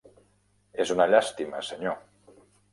És una llàstima, senyor.